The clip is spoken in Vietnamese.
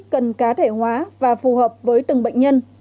cần cá thể hóa và phù hợp với từng bệnh nhân